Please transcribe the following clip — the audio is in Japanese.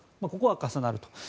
ここは重なると。